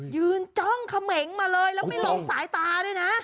ยืนจ้องเขม่งมาเลยแล้วไปหลอกสายตาด้วยนะ